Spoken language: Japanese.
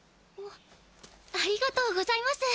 ありがとうございます。